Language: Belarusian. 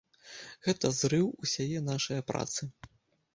Гэта зрыў усяе нашае працы.